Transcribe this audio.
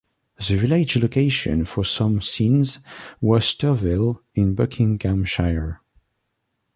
The village location for some scenes was Turville in Buckinghamshire.